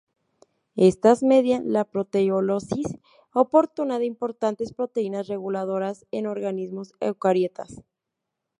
Estas median la proteólisis oportuna de importantes proteínas reguladoras en organismos eucariotas.